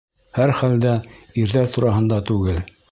Һәр хәлдә, ирҙәр тураһында түгел.